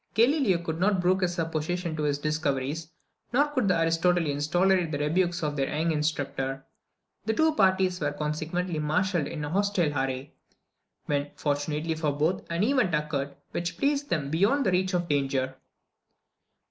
Galileo could not brook this opposition to his discoveries; nor could the Aristotelians tolerate the rebukes of their young instructor. The two parties were, consequently, marshalled in hostile array; when, fortunately for both, an event occurred, which placed them beyond the reach of danger.